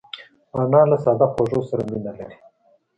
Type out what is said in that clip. انا له ساده خوړو سره مینه لري